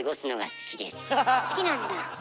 好きなんだ。